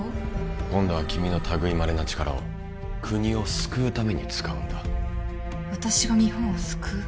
今度は君のたぐいまれな力を国を救うために使うんだ私が日本を救う？